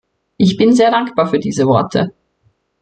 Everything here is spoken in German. Ich bin ihr sehr dankbar für diese Worte.